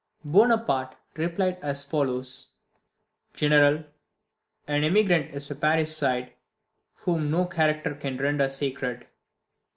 Bonaparte replied as follows: GENERAL An emigrant is a parricide whom no character can render sacred.